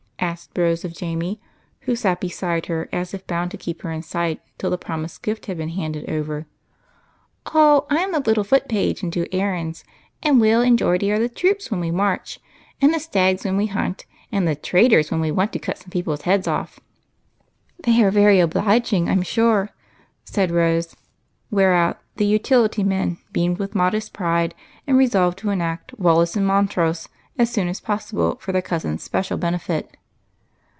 asked Rose of THE CLAN. 17 Jamie, who sat beside her as if bound to keep her in sight till the promised gift had been handed over. " Oh, I 'm the little foot page, and do errands, and Will and Geordie are the troops when we march, and the stags when we hunt, and the traitors when we want to cut any heads off." " They are very obliging, I 'm sure," said Rose, whereat the " utility men " beamed with modest pride, and resolved to enact Wallace and Montrose as soon as possible for their cousin's special benefit.